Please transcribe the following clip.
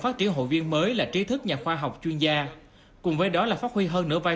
phát triển hội viên mới là trí thức nhà khoa học chuyên gia cùng với đó là phát huy hơn nửa vai